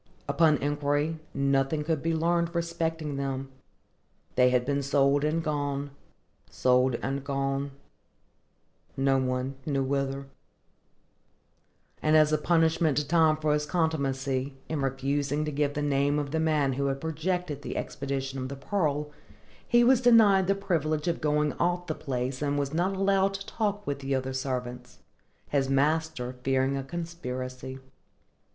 Upon inquiry, nothing could be learned respecting them. They had been sold and gone,—sold and gone,—no one knew whither; and as a punishment to Tom for his contumacy in refusing to give the name of the man who had projected the expedition of the Pearl, he was denied the privilege of going off the place, and was not allowed to talk with the other servants, his master fearing a conspiracy.